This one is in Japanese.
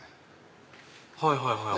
はいはいはい。